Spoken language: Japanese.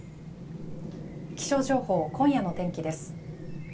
気象情報、今夜の天気です。